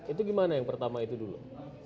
itu gimana yang pertama itu dulu